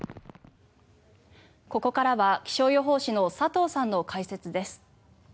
ここからは気象予報士の佐藤さんの解説です。